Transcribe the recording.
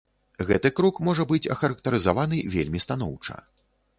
Гэты крок можа быць ахарактарызаваны вельмі станоўча.